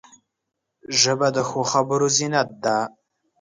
ژبه د ښو خبرو زینت ده